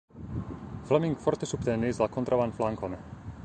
Fleming forte subtenis la kontraŭan flankon.